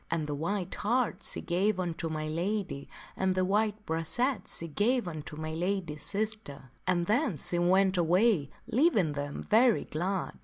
And the white hart she gave unto my lady and the white brachet she gave unto my lady's sister. And then she went away leaving them very glad.